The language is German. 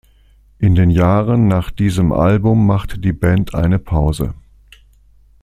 In den Jahren nach diesem Album machte die Band eine Pause.